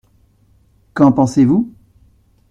Qu’en pensez-vous ?